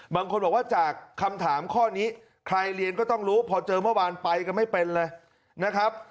บางคนบอกว่าจากคำถามข้อนี้ใครเรียนก็ต้องรู้พอเจอเมื่อวานไปกันไม่เป็นเลยนะครับ